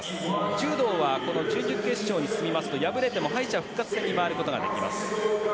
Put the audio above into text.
柔道はこの準々決勝に進みますと敗れても敗者復活戦に回ることができます。